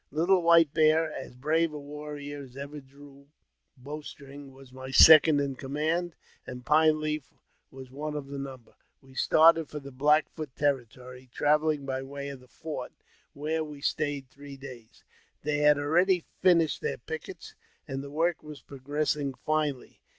Little White Bear, as brave a warrior as ever drew bow string, was my second in command, and Pine Leaf was one of the number. We started for the Black i Foot territory, travelling by way of the fort, where we stayed I three days. They had already finished their pickets, and the work was progressing finely.